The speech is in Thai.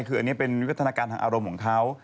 คืออันนี้เป็นวิวัฒนาการทางอารมณ์ของเขา